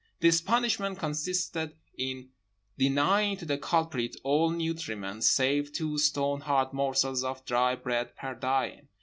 This punishment consisted in denying to the culprit all nutriment save two stone hard morsels of dry bread per diem.